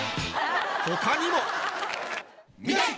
他にも見たい！